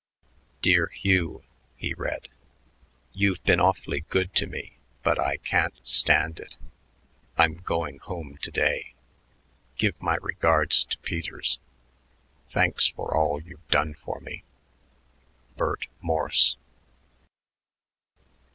Dear Hugh [he read]. You've been awfully good to me but I can't stand it. I'm going home to day. Give my regards to Peters. Thanks for all you've done for me. BERT MORSE.